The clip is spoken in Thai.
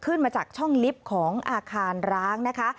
ขึ้นมาจากช่องลิฟต์ของอาคารร้างนะคะ